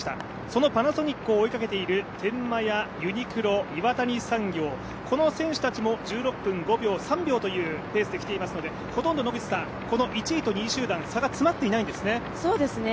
そのパナソニックを追いかけている天満屋、ユニクロ、岩谷産業、この選手たちも１６分５秒、３秒というペースできていますのでほとんど、１位と２位集団差が詰まっていないんですね。